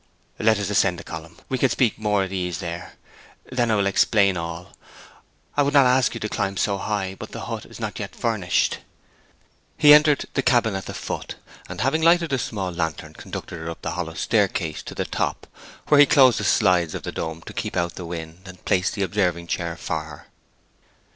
'Let us ascend the column; we can speak more at ease there. Then I will explain all. I would not ask you to climb so high but the hut is not yet furnished.' He entered the cabin at the foot, and having lighted a small lantern, conducted her up the hollow staircase to the top, where he closed the slides of the dome to keep out the wind, and placed the observing chair for her.